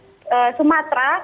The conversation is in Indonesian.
kemudian menuju pantai pulau jawa